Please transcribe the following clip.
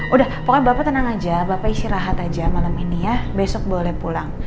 udah pokoknya bapak tenang aja bapak istirahat aja malam ini ya besok boleh pulang